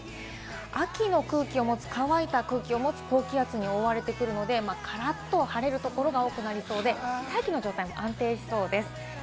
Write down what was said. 秋の空気を持つ、乾いた空気を持つ高気圧に覆われてくるので、からっと晴れるところが多くなりそうで、大気の状態も不安定になりそうです。